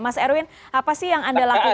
mas erwin apa sih yang anda lakukan